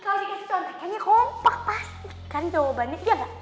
kalau dikasih contekannya kompak pasti kan jawabannya